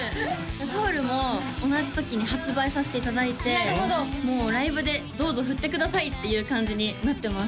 タオルも同じ時に発売させていただいてもうライブでどうぞ振ってくださいっていう感じになってます